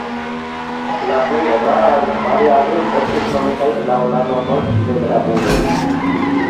La plej raraj variaĵoj estis nomitaj laŭ la nomoj de gravuloj.